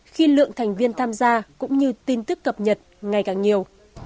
khi lượng thành viên tham gia cũng như tin tức cập nhật ngày càng nhiều